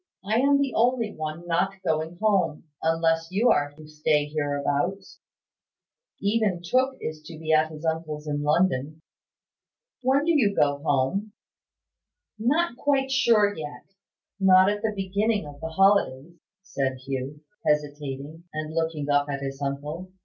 "I am the only one not going home, unless you are to stay hereabouts. Even Tooke is to be at his uncle's in London. When do you go home?" "Not quite yet; not at the beginning of the holidays," said Hugh, hesitating, and looking up at his uncle.